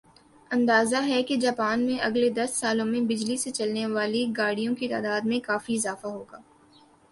اندازہ ھے کہ جاپان میں اگلے دس سالوں میں بجلی سے چلنے والی گاڑیوں کی تعداد میں کافی اضافہ ہو گا